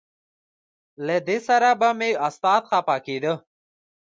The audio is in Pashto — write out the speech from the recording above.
له دې سره به مې استاد خپه کېده.